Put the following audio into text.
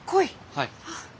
はい。